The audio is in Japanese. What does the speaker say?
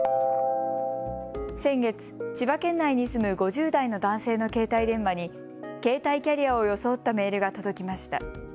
先月、千葉県内に住む５０代の男性の携帯電話に携帯キャリアを装ったメールが届きました。